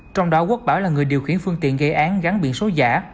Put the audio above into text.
trong đó quốc bảo là người điều khiển phương tiện gây án gắn biển số giả